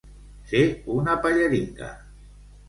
Ser una pelleringa.